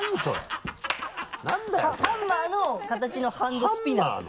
ハンマーの形のハンドスピナー。